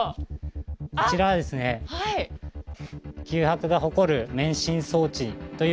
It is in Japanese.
こちらは九博が誇る免震装置か！